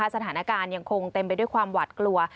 สถานการณ์ยังคงเต็มไปด้วยความหวัดกลัว